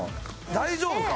大丈夫か？